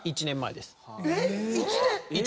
１年前です。